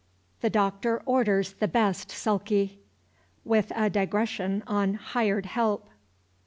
THE DOCTOR ORDERS THE BEST SULKY. (With a Digression on "Hired Help.")